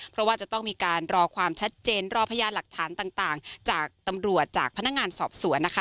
เพราะว่าจะต้องมีการรอความชัดเจนรอพยานหลักฐานต่างจากตำรวจจากพนักงานสอบสวนนะคะ